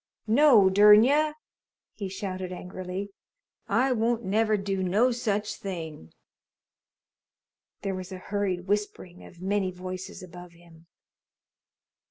"No, durn ye!" he shouted angrily. "I won't never do no such thing!" There was a hurried whispering of many voices above him.